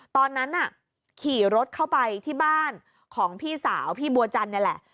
ตอนนั้นน่ะขี่รถเข้าไปที่บ้านของพี่สาวพี่บัวจันทร์นี่แหละ